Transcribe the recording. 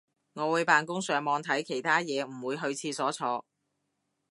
我會扮工上網睇其他嘢唔會去廁所坐